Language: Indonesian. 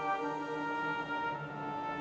terima kasih tuhan